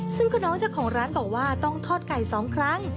ซึ่งคุณน้องเจ้าของร้านบอกว่าต้องทอดไก่๒ครั้ง